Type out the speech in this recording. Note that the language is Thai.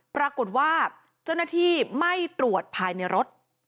ปรากฏว่าเจ้าหน้าที่ไม่ตรวจภายในรถ